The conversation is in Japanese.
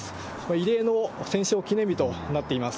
異例の戦勝記念日となっています。